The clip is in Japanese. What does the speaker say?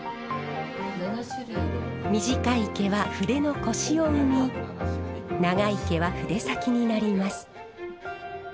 短い毛は筆のコシを生み長い毛は筆先になります。